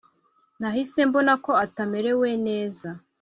Nahise mbona ko atamerewe neza